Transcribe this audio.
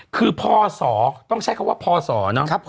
คือพศต้องใช้คำว่าพศเนาะ